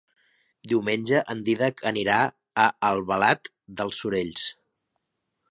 Diumenge en Dídac anirà a Albalat dels Sorells.